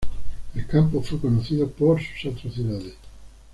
El campo fue conocido por sus atrocidades.